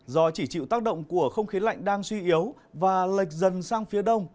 do chỉ chịu tác động của không khí lạnh đang suy yếu và lệch dần sang phía đông